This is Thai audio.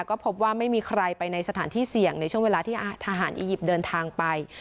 ก็พบว่าไม่มีใครไปในสถานที่เสี่ยงในช่วงเวลาที่ทหารอียิปต์เดินทางไป